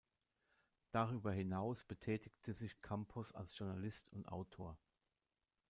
Darüber hinaus betätigte sich Campos als Journalist und Autor.